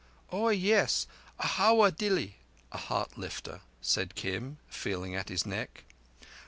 "Oah yes, hawa dilli (a heart lifter)," said Kim, feeling at his neck.